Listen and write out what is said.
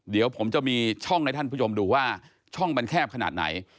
เดี๋ยวผมจะมีช่องให้ท่านผู้ชมดูว่าช่องมันแคบขนาดไหน